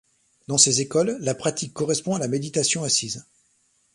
Dans ces écoles, la pratique correspond à la méditation assise.